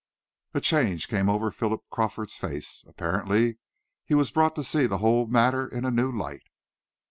A change came over Philip Crawford's face. Apparently he was brought to see the whole matter in a new light.